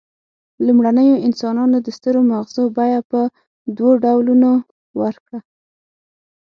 لومړنیو انسانانو د سترو مغزو بیه په دوو ډولونو ورکړه.